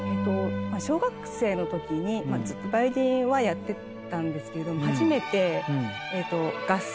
小学生の時にずっとバイオリンはやってたんですけど初めて合奏。